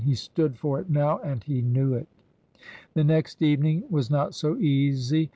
He stood for it now, and he knew it. The next evening was not so easy.